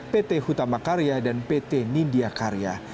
pt hutama karya dan pt nindya karya